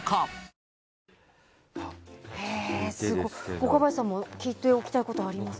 若林さんも聞いておきたいことありますか？